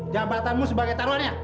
jabatanmu sebagai taruhannya